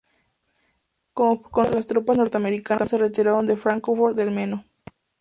Como consecuencia, las tropas norteamericanas se retiraron de Fráncfort del Meno.